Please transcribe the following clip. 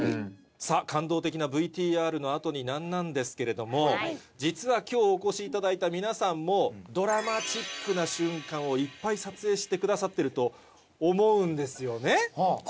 さぁ感動的なＶＴＲの後に何なんですけれども実は今日お越しいただいた皆さんもドラマチックな瞬間をいっぱい撮影してくださってると思うんですよね？